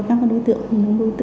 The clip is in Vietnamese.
các đối tượng